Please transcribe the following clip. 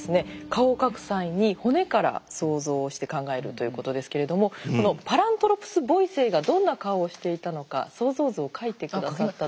顔を描く際に骨から想像して考えるということですけれどもこのパラントロプス・ボイセイがどんな顔をしていたのか想像図を描いて下さったという。